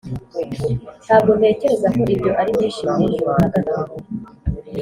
ntabwo ntekereza ko ibyo ari byinshi mu ijuru na gato '